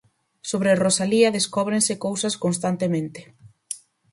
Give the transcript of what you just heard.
Sobre Rosalía descóbrense cousas constantemente.